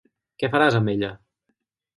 Què faràs amb ella?